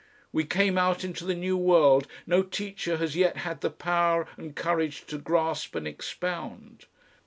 We came out into the new world no teacher has yet had the power and courage to grasp and expound.